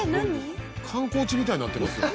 観光地みたいになってますよ。